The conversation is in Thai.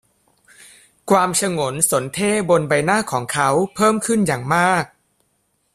ความฉงนสนเท่ห์บนใบหน้าของเขาเพิ่มขึ้นอย่างมาก